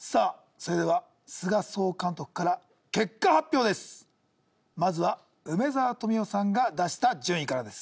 それでは須賀総監督から結果発表ですまずは梅沢富美男さんが出した順位からです